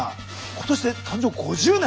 今年で誕生５０年。